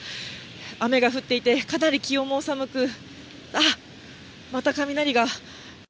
雨が降っていて、かなり気温も寒く、あっ、また雷が。